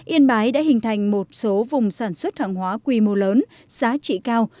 yên bái đã hình thành một số vùng sản xuất hàng hóa quy mô lớn giá trị cao